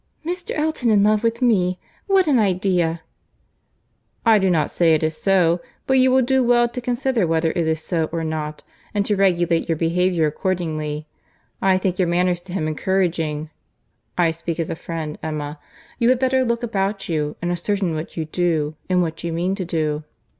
"Mr. Elton in love with me!—What an idea!" "I do not say it is so; but you will do well to consider whether it is so or not, and to regulate your behaviour accordingly. I think your manners to him encouraging. I speak as a friend, Emma. You had better look about you, and ascertain what you do, and what you mean to do."